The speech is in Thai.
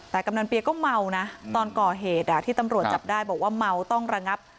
แต่กำนันเปียก็เมานะตอนก่อเหตุที่ตำรวจจับได้บอกว่าเมาต้องระงับ